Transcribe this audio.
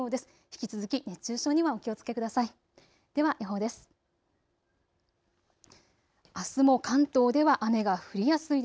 引き続き熱中症にはお気をつけください。